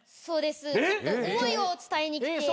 そうです思いを伝えに来て。